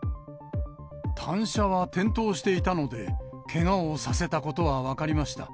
単車は転倒していたので、けがをさせたことは分かりました。